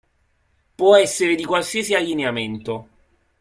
Può essere di qualsiasi allineamento.